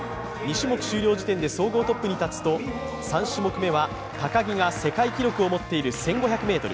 ２種目終了時点で総合トップに立つと３種目めは高木が世界記録を持っている１５００ｍ。